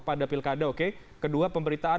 pada pilkada kedua pemberitaan